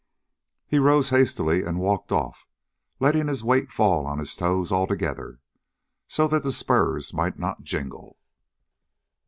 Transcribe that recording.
He rose hastily and walked off, letting his weight fall on his toes altogether, so that the spurs might not jingle.